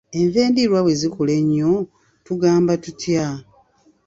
Enva endiirwa bwe zikula ennyo tugamba tutya?